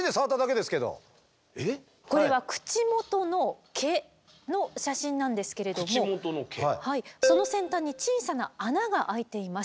これは口元の毛の写真なんですけれどもその先端に小さな穴が開いています。